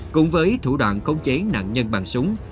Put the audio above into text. cũng với thủ đoạn khống chế nạn nhân bằng súng